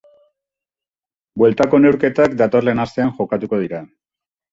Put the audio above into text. Bueltako neurketak datorren astean jokatuko dira.